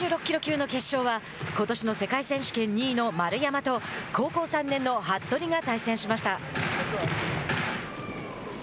男子６６キロ級の決勝はことしの世界選手権２位の丸山と高校３年の服部が対戦しました。